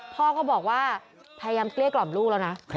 พ่อก็บอกว่าพยายามเกลี้ยกล่อมลูกแล้วนะ